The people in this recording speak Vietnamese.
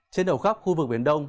trên đầu khắp khu vực biển đông